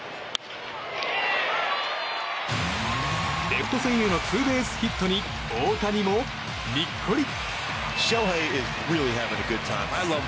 レフト線へのツーベースヒットに大谷もにっこり。